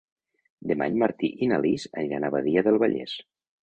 Demà en Martí i na Lis aniran a Badia del Vallès.